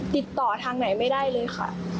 ติดต่อทางไหนไม่ได้เลยค่ะ